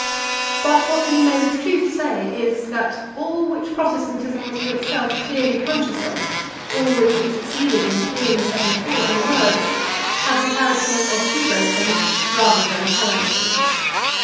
But what we may with truth say is, that all which Protestantism was to itself clearly conscious of, all which it succeeded in clearly setting forth in words, had the characters of Hebraism rather than of Hellenism.